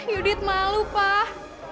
yudit malu pak